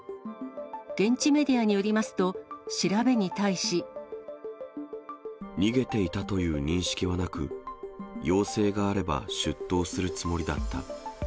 現地メディアによりますと、調べに対し。逃げていたという認識はなく、要請があれば出頭するつもりだった。